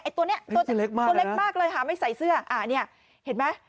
ไอ้ตัวเนี้ยตัวเล็กมากเลยค่ะไม่ใส่เสื้ออ่ะเนี้ยเห็นไหม